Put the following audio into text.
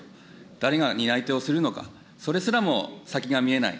誰が担い手をするのか、それすらも先が見えない。